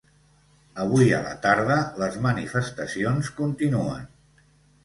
Avui a la tarda les manifestacions continuen.